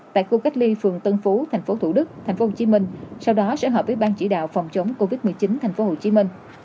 tại khu cách ly phường tân phú tp thủ đức tp hcm sau đó sẽ hợp với bang chỉ đạo phòng chống covid một mươi chín tp hcm